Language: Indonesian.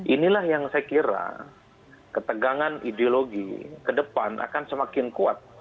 inilah yang saya kira ketegangan ideologi ke depan akan semakin kuat